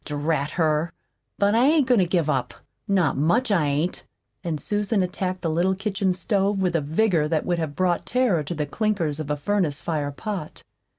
Drat her! But I ain't goin' to give up. Not much I ain't!" And Susan attacked the little kitchen stove with a vigor that would have brought terror to the clinkers of a furnace fire pot.